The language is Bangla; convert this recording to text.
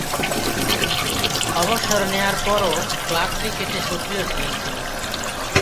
অবসর নেয়ার পরও ক্লাব ক্রিকেটে সক্রিয় ছিলেন তিনি।